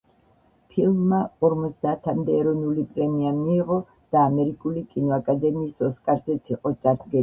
ფილმმა ორმოცდაათამდე ეროვნული პრემია მიიღო და ამერიკული კინოაკადემიის ოსკარზეც იყო წარდგენილი.